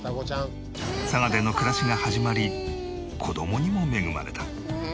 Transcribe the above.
佐賀での暮らしが始まり子供にも恵まれた。